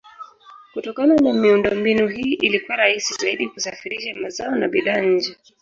Kutokana na miundombinu hii ilikuwa rahisi zaidi kusafirisha mazao na bidhaa nje.